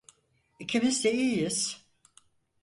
İkimiz de iyiyiz.